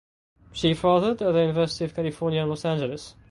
She furthered at the University of California in Los Angeles.